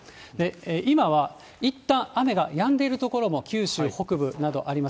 今はいったん雨がやんでいる所も九州北部など、あります。